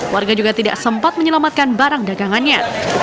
warga juga tidak sempat menyelamatkan barang dagangannya